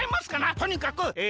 とにかくえ